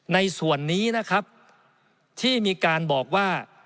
ในส่วนนี้นะครับที่มีการบอกว่า